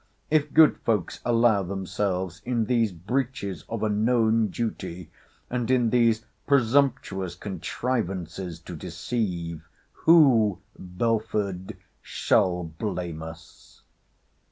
—If good folks allow themselves in these breaches of a known duty, and in these presumptuous contrivances to deceive, who, Belford, shall blame us?